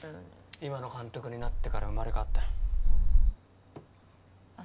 今の監督になってから生まれ変わったあああっ